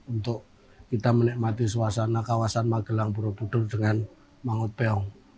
untuk kita menikmati suasana kawasan magelang borobudur dengan mangut beong